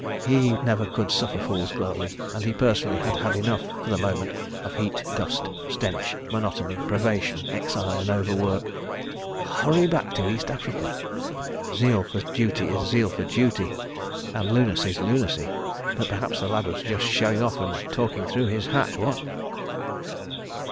He never could suffer fools gladly and he personally had had enough, for the moment, of heat, dust, stench, monotony, privation, exile, and overwork. ... Hurry back to East Africa! ... Zeal for duty is zeal for duty—and lunacy's lunacy. ... But perhaps the lad was just showing off and talking through his hat, what?